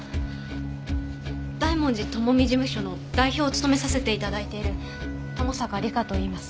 大文字智美事務所の代表を務めさせて頂いている友坂梨香といいます。